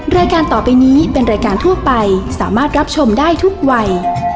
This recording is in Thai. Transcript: รายการต่อไปนี้เป็นรายการทั่วไปสามารถรับชมได้ทุกวัย